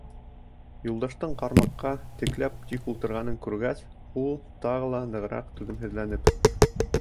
Юлдаштың ҡармаҡҡа текләп тик ултырғанын күргәс, ул, тағы ла нығыраҡ түҙемһеҙләнеп: